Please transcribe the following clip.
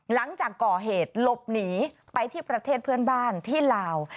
หลังจากก่อเหตุหลบหนีไปที่ประเทศเพื่อนบ้านที่ลาว